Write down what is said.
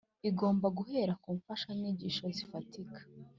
igomba guhera ku mfashanyigisho zifatika,